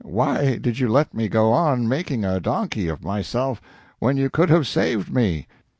Why did you let me go on making a donkey of myself when you could have saved me?"